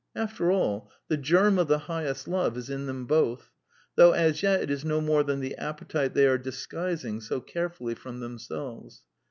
After all, the germ of the highest love is in them both; though as yet it is no more than the appetite they are disguising so carefully from themselves.